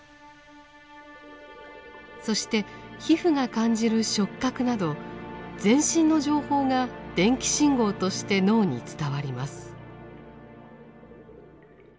そして皮膚が感じる触覚など全身の情報が電気信号として脳に伝わります。